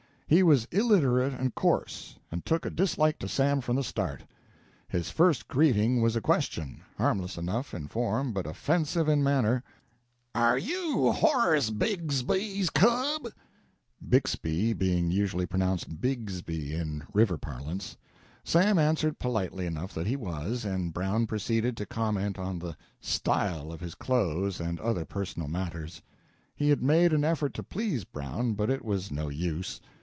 He was illiterate and coarse, and took a dislike to Sam from the start. His first greeting was a question, harmless enough in form but offensive in manner. "Are you Horace Bigsby's cub?" Bixby being usually pronounced "Bigsby" in river parlance. Sam answered politely enough that he was, and Brown proceeded to comment on the "style" of his clothes and other personal matters. He had made an effort to please Brown, but it was no use.